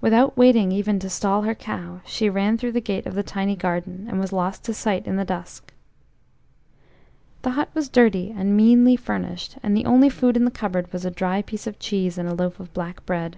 Without waiting even to stall her cow, she ran through the gate of the tiny garden, and was lost to sight in the dusk. The hut was dirty, and meanly furnished, and the only food in the cupboard was a dry piece of cheese and a loaf of black bread.